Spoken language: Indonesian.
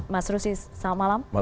mas rusdi selamat malam